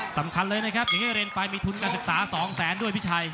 สำคัญเลยนะครับอย่างที่เรียนไปมีทุนการศึกษา๒แสนด้วยพี่ชัย